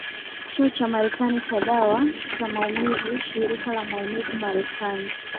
Chuo cha Marekani cha Dawa za Maumivu Shirika la Maumivu Marekani